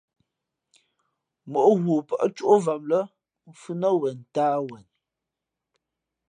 Móʼ ghoo pάʼ cóʼvam lά mfhʉ̄ nά wen ntāh wen.